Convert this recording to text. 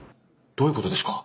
どういうことですか？